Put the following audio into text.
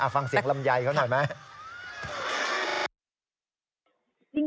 ฟังเสียงลำไยเขาหน่อยไหม